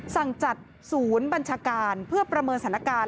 สั่งจัดศูนย์บัญชาการเพื่อประเมินสถานการณ์